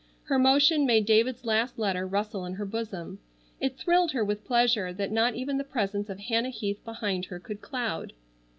Her motion made David's last letter rustle in her bosom. It thrilled her with pleasure that not even the presence of Hannah Heath behind her could cloud.